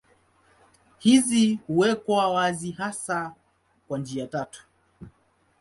Hizi huwekwa wazi hasa kwa njia tatu.